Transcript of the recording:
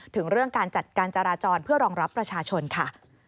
ถึงเรื่องการจัดการจราจรเพื่อรองรับประชาชนค่ะ